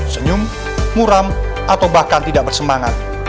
senyum muram atau bahkan tidak bersemangat